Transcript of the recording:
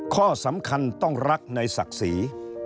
ข้อสำคัญต้องรักในศักดิ์ศรี